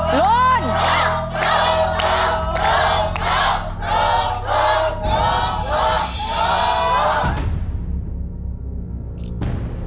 หลวนล้วนล้วน